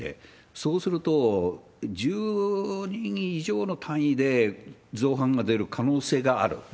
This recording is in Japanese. そうすると、１０人以上の単位で造反が出る可能性がある。